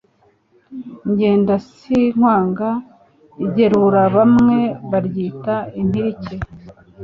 gendasinkwanga. igerura bamwe baryita impirike